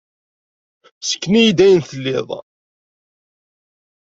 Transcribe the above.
Ssken-iyi-d ayen tlid.